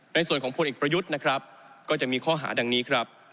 ในส่วนของพลเอกประยุทธนะครับก็จะมีข้อหาดังนี้ครับ